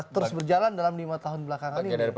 terus berjalan dalam lima tahun belakangan ini